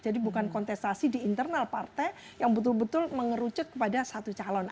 jadi bukan kontestasi di internal partai yang betul betul mengerucut kepada satu calon